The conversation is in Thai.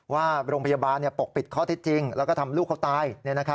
ว่าโรงพยาบาลปกปิดข้อเท็จจริงแล้วก็ทำลูกเขาตาย